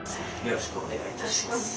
よろしくお願いします。